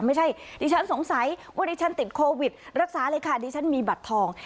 ไม่ใช่ดิฉันสงสัยว่าดิฉันติดโควิดรักษาเลยค่ะดิฉันมีบัตรทอง